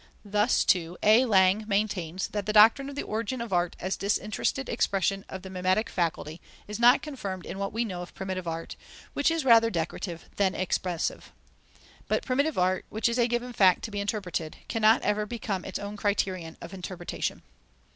Thus, too, A. Lang maintains that the doctrine of the origin of art as disinterested expression of the mimetic faculty is not confirmed in what we know of primitive art, which is rather decorative than expressive. But primitive art, which is a given fact to be interpreted, cannot ever become its own criterion of interpretation.